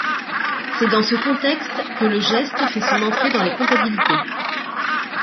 C’est dans ce contexte que le geste fait son entrée dans les comptabilités.